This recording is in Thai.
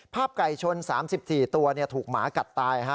ไก่ชน๓๔ตัวถูกหมากัดตาย